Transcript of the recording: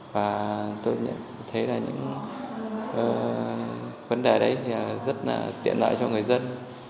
và tôi nhận thấy là những vấn đề đấy thì rất là tiện lợi cho người dân